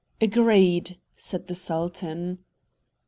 "Agreed," said the sultan.